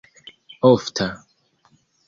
ofta